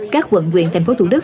các quận huyện thành phố thủ đức